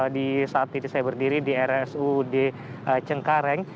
di saat ini saya berdiri di rsud cengkareng